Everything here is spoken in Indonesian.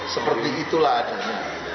seperti itulah adanya